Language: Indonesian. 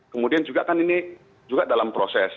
kemudian juga kan ini juga dalam proses